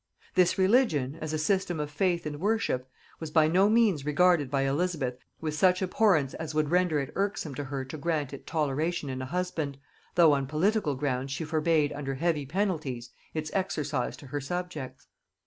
This religion, as a system of faith and worship, was by no means regarded by Elizabeth with such abhorrence as would render it irksome to her to grant it toleration in a husband, though on political grounds she forbade under heavy penalties its exercise to her subjects.